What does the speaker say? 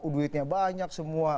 duitnya banyak semua